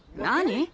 何？